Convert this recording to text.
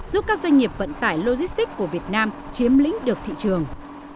giúp các doanh nghiệp vận tải logistics của việt nam chiếm lĩnh được thị trường